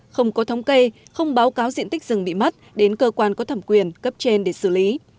không có thống kê không báo cáo diện tích rừng bị mất đến cơ quan có thẩm quyền cấp trên để xử lý